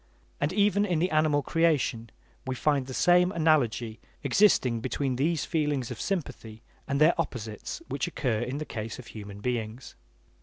And even in the animal creation we find the same analogy existing between these feelings of sympathy and their opposites which occur in the case of human beings.